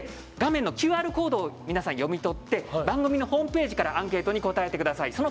画面のＱＲコードを読み取って番組のホームページからアンケートに答えてください。